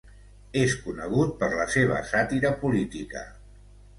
És conegut per la seva sàtira "política".